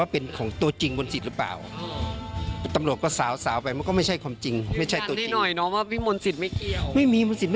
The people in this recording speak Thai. แสดงว่าเขาก็มีความสามารถ